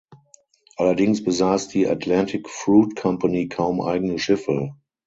Allerdings besaß die Atlantic Fruit Company kaum eigene Schiffe.